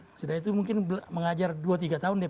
sudah itu mungkin mengajar dua tiga tahun dia